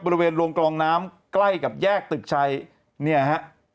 บริเวณโรงกลองน้ำใกล้กับแยกตึกชัยเนี่ยฮะ